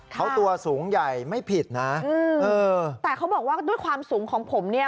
เขาตัวสูงใหญ่ไม่ผิดนะแต่เขาบอกว่าด้วยความสูงของผมเนี่ย